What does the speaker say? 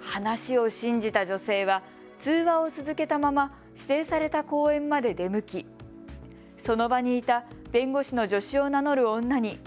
話を信じた女性は通話を続けたまま指定された公園まで出向き、その場にいた弁護士の助手を名乗る女に。